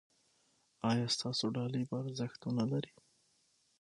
ایا ستاسو ډالۍ به ارزښت و نه لري؟